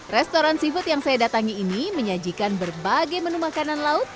restoran seafood yang saya datangi ini menyajikan berbagai menu makanan laut